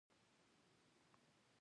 د دې کارخانې پراختیا مومي او وده کوي